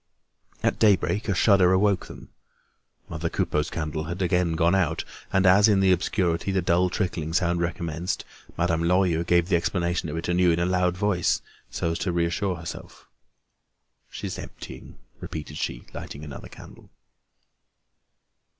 At daybreak, a shudder awoke them. Mother Coupeau's candle had again gone out; and as, in the obscurity, the dull trickling sound recommenced, Madame Lorilleux gave the explanation of it anew in a loud voice, so as to reassure herself: "She's emptying," repeated she, lighting another candle.